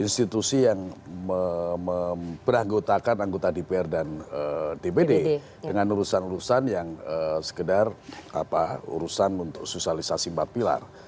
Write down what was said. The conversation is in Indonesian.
institusi yang beranggotakan anggota dpr dan dpd dengan urusan urusan yang sekedar urusan untuk sosialisasi empat pilar